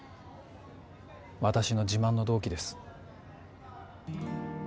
私の自慢の同期です